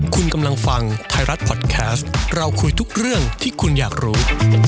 คุณกำลังฟังไทยรัฐพอดแคสต์เราคุยทุกเรื่องที่คุณอยากรู้